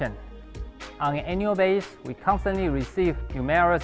di dasar anual kami selalu mendapatkan banyak pembayaran